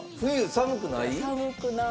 寒くない。